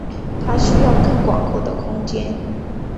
他需要更广阔的空间。